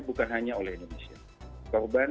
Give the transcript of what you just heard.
bukan hanya oleh indonesia korban